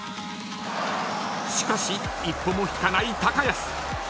［しかし一歩も引かない安］